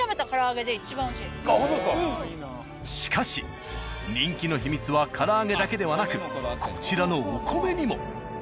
しかし人気の秘密は唐揚げだけではなくこちらのお米にも。